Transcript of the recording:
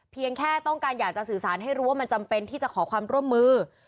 เพียงแค่ต้องการอยากจะสื่อสารให้รู้ว่ามันจำเป็นที่จะขอความร่วมมือ